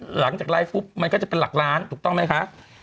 หลังจากไลฟ์ปุ๊บมันก็จะเป็นหลักล้านถูกต้องไหมคะ